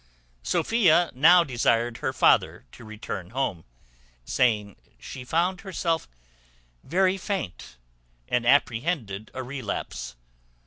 Sophia now desired her father to return home; saying she found herself very faint, and apprehended a relapse.